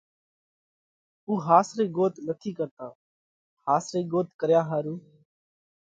اُو ۿاس رئِي ڳوت نٿِي ڪرتا۔ ۿاس رئِي ڳوت ڪريا ۿارُو